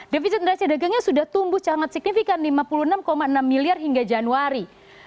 defisit neraca dagangnya sudah tumbuh sangat signifikan lima puluh enam enam miliar hingga januari